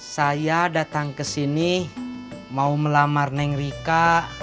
saya datang ke sini mau melamar neng rika